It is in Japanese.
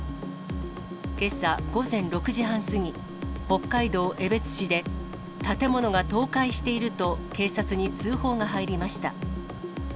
けさ午前６時半過ぎ、北海道江別市で、建物が倒壊していると、警察に通報が入りました。